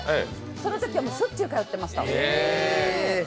そのときはしょっちゅう通ってました。